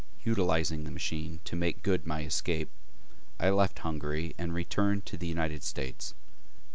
Utilizing the machine to make good my escape, I left Hungary and returned to the United States.